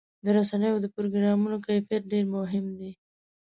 د رسنیو د پروګرامونو کیفیت ډېر مهم دی.